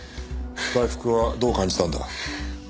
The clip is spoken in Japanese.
大福はどう感じたんだ？